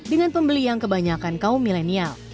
dengan pembeli yang kebanyakan kaum milenial